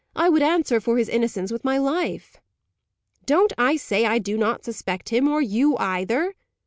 I would answer for his innocence with my life." "Don't I say I do not suspect him, or you either?"